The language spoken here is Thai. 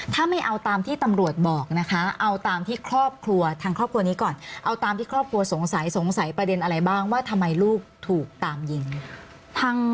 ถ้าไม่เอาตามที่ตำรวจบอกนะคะเอาตามที่ครอบครัวทางครอบครัวนี้ก่อนเอาตามที่ครอบครัวสงสัยสงสัยประเด็นอะไรบ้างว่าทำไมลูกถูกตามยิง